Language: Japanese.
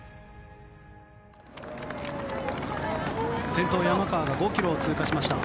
先頭、山川が５ｋｍを通過しました。